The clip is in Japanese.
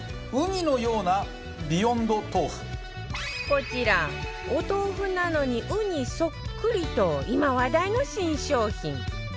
こちらお豆腐なのにウニそっくりと今話題の新商品